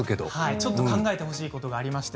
ちょっと考えてほしいことがあります。